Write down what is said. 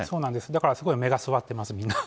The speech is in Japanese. だからすごく目が座ってます、みんな。